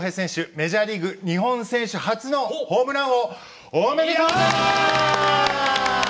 メジャーリーグ日本選手初のホームラン王おめでとうございます！